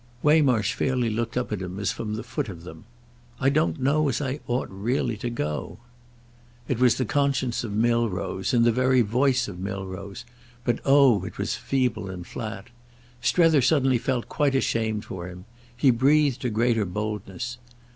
Waymarsh fairly looked up at him as from the foot of them. "I don't know as I ought really to go." It was the conscience of Milrose in the very voice of Milrose, but, oh it was feeble and flat! Strether suddenly felt quite ashamed for him; he breathed a greater boldness.